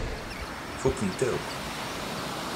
Fukken-t akk.